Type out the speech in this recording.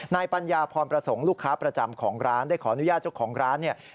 นายปัญญาพรพระสงฆ์ลูกค้าประจำของร้าน